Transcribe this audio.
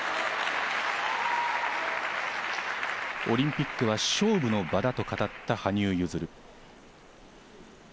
オリンピックは勝負の場だと語った羽生結弦。